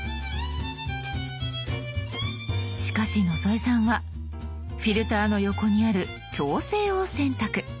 しかし野添さんは「フィルター」の横にある「調整」を選択。